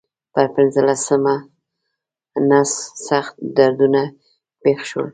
پر پنځلسمه نس سخت دردونه پېښ شول.